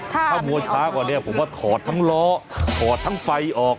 ถ้าบัวช้าก่อนเนี่ยผมก็ขอดทั้งล้อขอดทั้งไฟออก